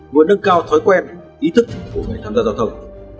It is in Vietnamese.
vừa nâng cao thói quen ý thức của người tham gia giao thông